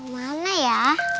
yang mana ya